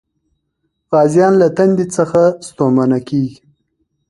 غازيان له تندې څخه ستومانه کېږي.